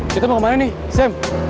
kita mau kemana nih sam